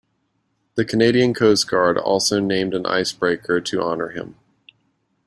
The Canadian Coast Guard also named an icebreaker to honour him.